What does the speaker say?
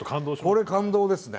これ感動ですね。